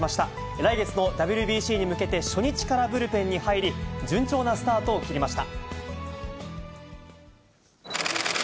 来月のＷＢＣに向けて、初日からブルペンに入り、順調なスタートを切りました。